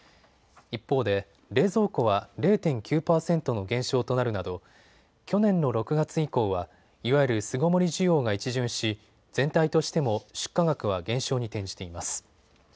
一方で冷蔵庫は０．９％の減少となるなど去年の６月以降はいわゆる巣ごもり需要が一巡し、全体としても出荷額は減少に転じています。